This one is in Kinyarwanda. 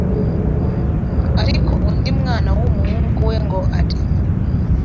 ariko undi mwana w’umuhungu we ngo ari